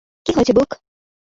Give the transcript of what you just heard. কী হয়েছে, ব্যুক?